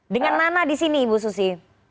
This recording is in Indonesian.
dengan nana di sini ibu susi